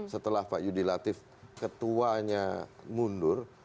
setelah pak yudi latif ketuanya mundur